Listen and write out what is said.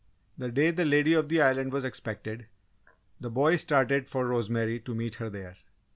The day the Lady of the Island was expected, the boys started for Rosemary to meet her there.